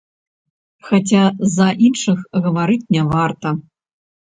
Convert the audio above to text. Хаця за іншых гаварыць не варта.